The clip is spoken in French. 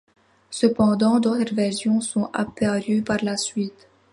Cependant d'autres versions sont apparues par la suite.